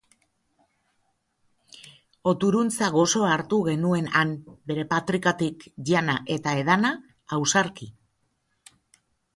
Oturuntza gozoa hartu genuen han, bere patrikatik, jana eta edana ausarki.